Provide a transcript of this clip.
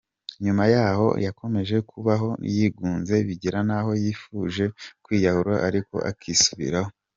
Nyuma y’aho yakomeje kubaho yigunze bigera n’aho yifuje kwiyahura ariko akisubiraho.